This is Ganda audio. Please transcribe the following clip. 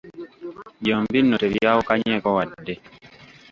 Byombi nno tebyawukanyeeko wadde.